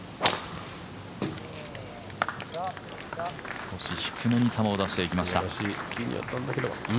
少し低めに球を出していきました。